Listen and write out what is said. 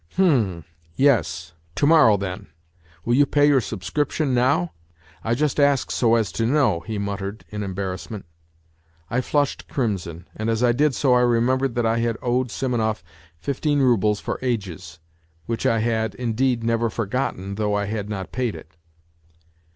" H'm ... yes ... to morrow, then. Will you pay your subscription now ? I just ask so as to know," he muttered in embarrassment. I flushed crimson, and as I did so I remembered that I had owed Simonov fifteen roubles for ages which I had, indeed, never forgotten, though I had not paid it.